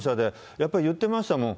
やっぱり、言ってましたもん。